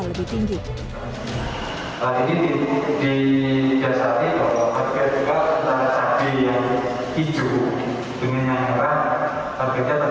lebih tinggi lagi di jasadi bahwa berbeda dengan cabai yang hijau dengan yang merah